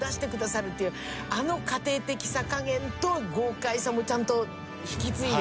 あの家庭的さ加減と豪快さもちゃんと引き継いでて。